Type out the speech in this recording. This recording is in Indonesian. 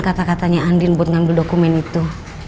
kata katanya andin buat ngambil dokumen itu